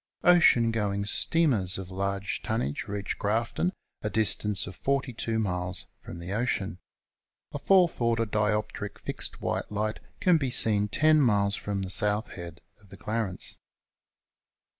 Ocean going steamers of large tonnage reach (Irafton, a distance of 42 miles from the ocean. A fourth order dioptric fixed white light can be seen 10 miles from the south head of the Clarence.